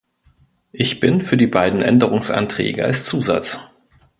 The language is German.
Ich bin ich für die beiden Änderungsanträge als Zusatz.